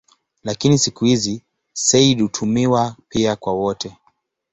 Lakini siku hizi "sayyid" hutumiwa pia kwa wote.